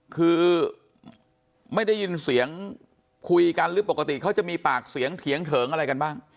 คือไม่ได้ยินเสียงคุยกันหรือปกติเขาจะมีปากเสียงเถียงเถิงอะไรกันบ้าง